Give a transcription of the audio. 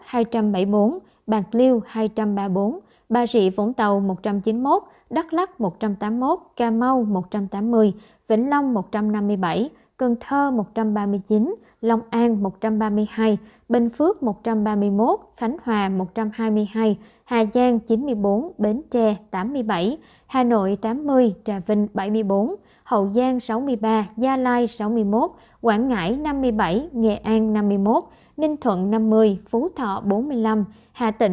tp hcm một bốn trăm một mươi bốn đồng thành hai trăm ba mươi bốn bà rị vũng tàu một trăm chín mươi một đắk lắc một trăm tám mươi một cà mau một trăm tám mươi vĩnh long một trăm năm mươi bảy cần thơ một trăm ba mươi chín lòng an một trăm ba mươi hai bình phước một trăm ba mươi một khánh hòa một trăm hai mươi hai hà giang chín mươi bốn bến tre tám mươi bảy hà nội tám mươi trà vinh bảy mươi bốn hậu giang sáu mươi ba gia lai sáu mươi một quảng ngãi năm mươi bảy nghệ an năm mươi một ninh thuận năm mươi phú thọ bốn mươi năm hà tỉnh bốn mươi